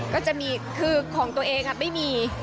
ก็จะมีคือของตัวเองไม่มี